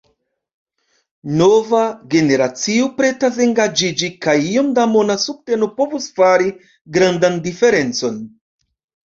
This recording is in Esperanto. Nova generacio pretas engaĝiĝi, kaj iom da mona subteno povus fari grandan diferencon.